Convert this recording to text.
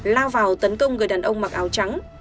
lao vào tấn công người đàn ông mặc áo trắng